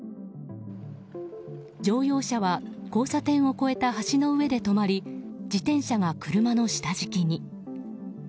乗用車は交差点を越えた橋の上で止まり自転車が車の下敷きに。